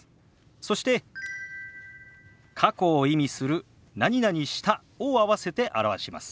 そして過去を意味する「した」を合わせて表します。